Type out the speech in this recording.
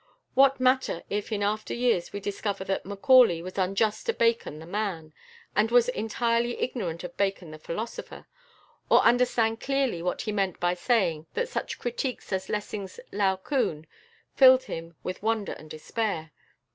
What matter if in after years we discover that Macaulay was unjust to Bacon the man, and was entirely ignorant of Bacon the philosopher; or understand clearly what he meant by saying that such critiques as Lessing's "Laocoon" "filled him with wonder and despair?"